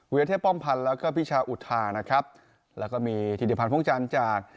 วิทยาเทศป้อมพันธ์แล้วก็พิชาอุทธานะครับแล้วก็มีธีรภัณฑ์พรุ่งจันทร์จาก